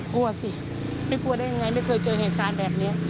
กลัวสิไม่กลัวได้ยังไงไม่เคยเจอเหตุการณ์แบบนี้